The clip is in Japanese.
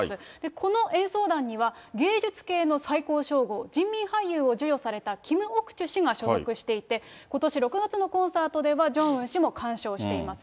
この演奏団には、芸術系の最高称号、人民俳優を授与されたキム・オクチュ氏が所属していて、ことし６月のコンサートではジョンウン氏も鑑賞しています。